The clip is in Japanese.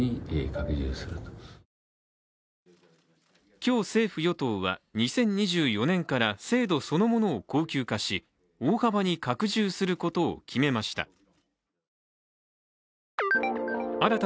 今日、政府・与党は、２０２４年から制度そのものを恒久化し大幅に拡充することを決めました。